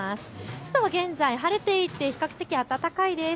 外は現在、晴れていて比較的暖かいです。